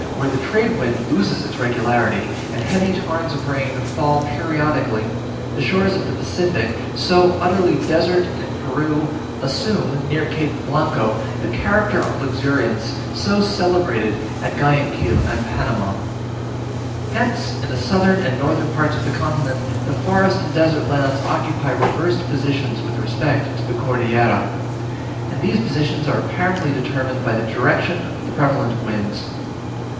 where the trade wind loses its regularity, and heavy torrents of rain fall periodically, the shores of the Pacific, so utterly desert in Peru, assume near Cape Blanco the character of luxuriance so celebrated at Guyaquil and Panama. Hence in the southern and northern parts of the continent, the forest and desert lands occupy reversed positions with respect to the Cordillera, and these positions are apparently determined by the direction of the prevalent winds.